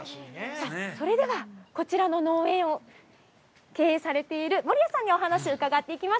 それでは、こちらの農園を経営されている守屋さんにお話を伺っていきます。